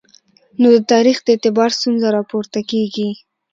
نو د تاریخ د اعتبار ستونزه راپورته کېږي.